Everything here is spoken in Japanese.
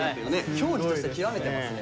競技として究めてますね。